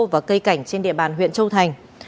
và cây cảnh trên địa bàn huyện châu thành